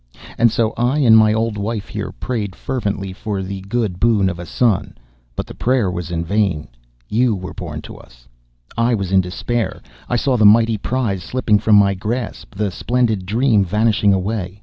And so I, and my old wife here, prayed fervently for the good boon of a son, but the prayer was vain. You were born to us. I was in despair. I saw the mighty prize slipping from my grasp, the splendid dream vanishing away.